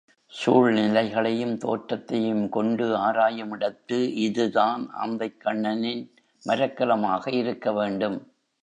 சூழ்நிலைகளையும் தோற்றத்தையும் கொண்டு ஆராயுமிடத்து இதுதான் ஆந்தைக்கண்ணனின் மரக்கலமாக இருக்க வேண்டும்.